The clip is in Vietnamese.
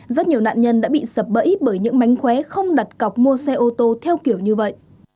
rất nhiều nạn nhân đã bị sập bẫy bởi những mánh khóe không đặt cọc mua xe ô tô theo kiểu như vậy